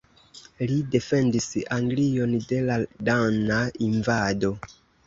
Li defendis Anglion de la dana invado.